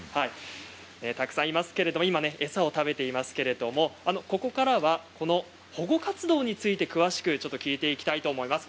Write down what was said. たくさん、いますけれど今、餌を食べていますけれどここからはこの保護活動について詳しく聞いていきたいと思います。